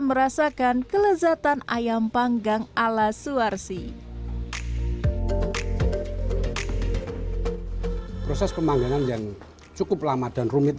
merasakan kelezatan ayam panggang ala suwarsi proses pemanggangan yang cukup lama dan rumit